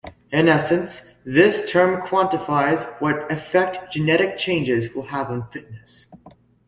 In essence, this term quantifies what effect genetic changes will have on fitness.